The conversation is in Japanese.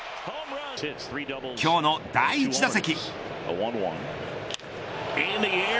今日の第１打席。